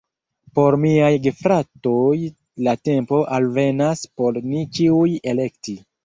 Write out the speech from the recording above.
Por miaj gefratoj la tempo alvenas por ni ĉiuj elekti